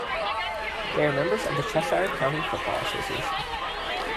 They are members of the Cheshire County Football Association.